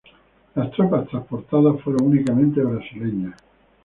Las tropas transportadas fueron únicamente brasileñas.